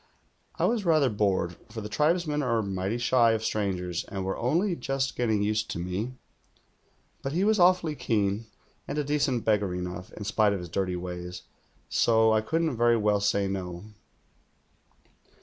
I was rather bored, for the tribesmen are mighty shy of strangers and wei'e only just getting used to me; but he was awfully keen, and a decent beggar enough, in spite of his dirty ways, so I couldn't very well say 'No."